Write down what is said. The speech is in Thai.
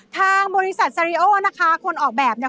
ทางบริษัทซาริโอนะคะคนออกแบบเนี่ย